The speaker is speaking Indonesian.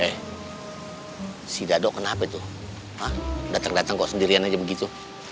eh si dado kenapa itu hah dateng dateng kok sendirian aja begitu